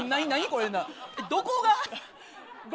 これなぁどこが？